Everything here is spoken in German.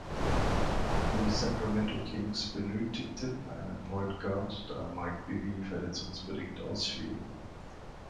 Die Sacramento Kings benötigten einen Point Guard, da Mike Bibby verletzungsbedingt ausfiel.